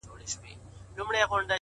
د هغه ورځي څه مي؛